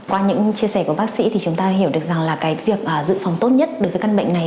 qua những chia sẻ của bác sĩ thì chúng ta hiểu được rằng là cái việc dự phòng tốt nhất đối với căn bệnh này